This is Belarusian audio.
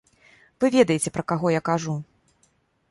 Вы ведаеце, пра каго я кажу.